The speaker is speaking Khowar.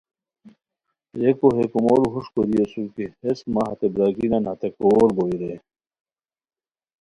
ریکو ہے کومورو ہوݰ کوری اسور کی ہیس مہ ہتے برارگینیان ہتے کوور بوئے رے